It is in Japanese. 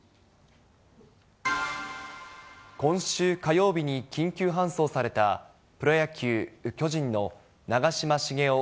今週火曜日に緊急搬送されたプロ野球・巨人の長嶋茂雄